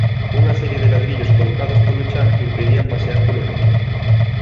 Unha serie de ladrillos colocados polo chan impedía pasear polo recinto.